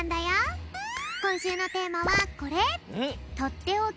こんしゅうのテーマはこれ。